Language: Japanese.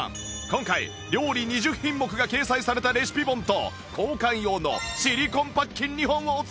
今回料理２０品目が掲載されたレシピ本と交換用のシリコンパッキン２本をお付けしてお届け！